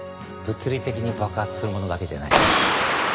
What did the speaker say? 物理的に爆発するものだけじゃない。